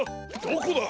どこだ？